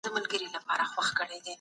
ځينې ودونه د طلاق سره مخامخ کيږي.